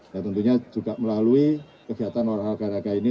dan tentunya juga melalui kegiatan olahraga olahraga ini